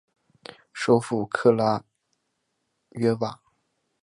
首府克拉约瓦。